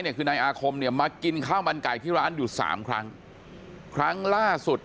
คือนายอาคมเนี่ยมากินข้าวมันไก่ที่ร้านอยู่สามครั้งครั้งล่าสุด